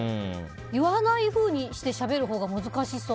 言わないでしゃべるほうが難しそう。